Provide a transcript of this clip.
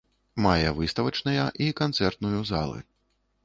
Мае выставачныя і канцэртную залы.